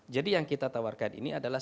jadi yang kita tawarkan ini adalah